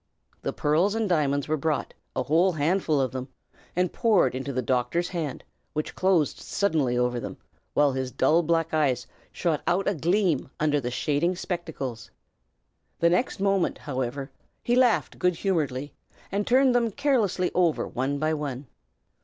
The pearls and diamonds were brought, a whole handful of them, and poured into the doctor's hand, which closed suddenly over them, while his dull black eyes shot out a quick gleam under the shading spectacles. The next moment, however, he laughed good humoredly and turned them carelessly over one by one.